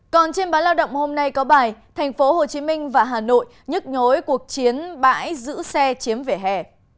còn trên báo lao động hôm nay có bài thành phố hồ chí minh và hà nội nhức nhối cuộc chiến bãi giữ xe chiếm vỉa hè